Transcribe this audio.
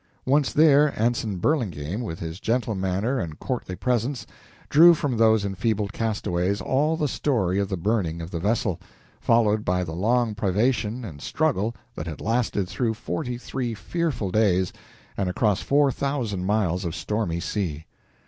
Once there, Anson Burlingame, with his gentle manner and courtly presence, drew from those enfeebled castaways all the story of the burning of the vessel, followed by the long privation and struggle that had lasted through forty three fearful days and across four thousand miles of stormy sea.